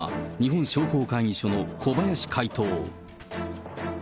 そう発言したのは、日本商工会議所の小林会頭。